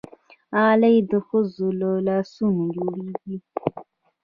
غالۍ د ښځو له لاسونو جوړېږي.